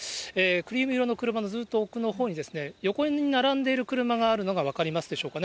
クリーム色の車のずっと奥のほうに横に並んでいる車があるのが分かりますでしょうか。